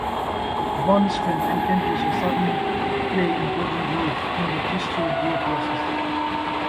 Bond strength and temperature certainly play important roles in the crystal grow process.